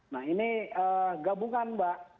nah ini gabungan mbak